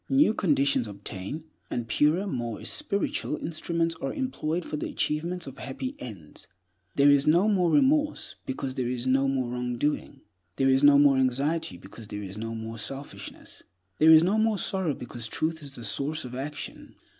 New conditions obtain, and purer, more espiritual instruments are employed for the achievements of happy ends. There is no more remorse, because there is no more wrong doing. There is no more anxiety, because there is no more selfishness. There is no more sorrow, because Truth is the source of action.